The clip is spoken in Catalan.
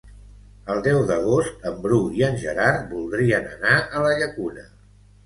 El deu d'agost en Bru i en Gerard voldrien anar a la Llacuna.